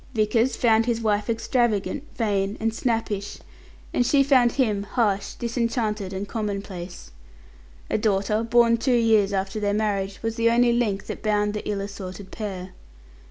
Vickers found his wife extravagant, vain, and snappish, and she found him harsh, disenchanted, and commonplace. A daughter, born two years after their marriage, was the only link that bound the ill assorted pair.